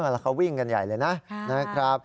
แล้วเขาวิ่งกันใหญ่เลยนะครับ